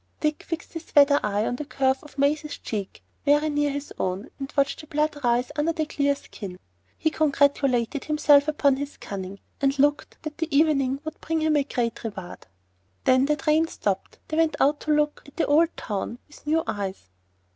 Dick fixed his weather eye on the curve of Maisie's cheek, very near his own, and watched the blood rise under the clear skin. He congratulated himself upon his cunning, and looked that the evening would bring him a great reward. When the train stopped they went out to look at an old town with new eyes.